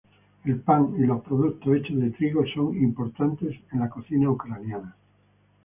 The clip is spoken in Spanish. El pan y productos hechos de trigo son importantes en cocina ucraniana.